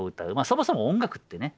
そもそも音楽ってね